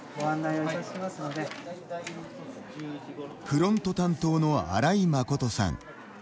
フロント担当の荒井誠さん。